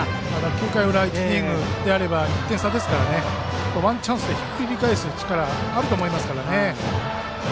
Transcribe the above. ９回裏１イニングであれば１点差ですからワンチャンスでひっくり返す力はあると思います。